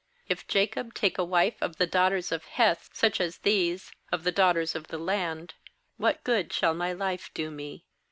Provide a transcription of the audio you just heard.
If Jacob take a wife of the daughters of Heth, such as these, of the daughters of the land, what good shall my life do me?